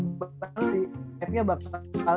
dari hype nya bakal